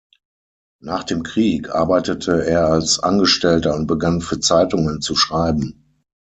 Nach dem Krieg arbeitete er als Angestellter und begann für Zeitungen zu schreiben.